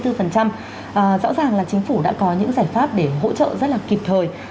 rõ ràng là chính phủ đã có những giải pháp để hỗ trợ rất là kịp thời